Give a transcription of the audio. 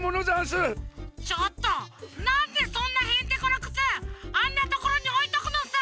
ちょっとなんでそんなへんてこなくつあんなところにおいとくのさ！